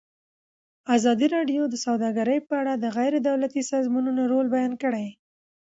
ازادي راډیو د سوداګري په اړه د غیر دولتي سازمانونو رول بیان کړی.